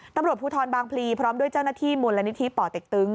ตำรวจภูทรบางพลีพร้อมด้วยเจ้าหน้าที่มูลนิธิป่อเต็กตึง